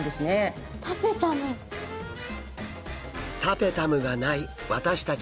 タペタムがない私たち